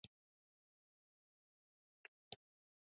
Casi todos los habitantes de la isla son mestizos.